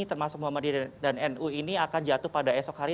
termasuk muhammadiyah dan nu ini akan jatuh pada esok hari